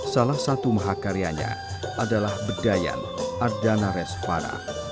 salah satu mahakaryanya adalah bedayan ardanaresvara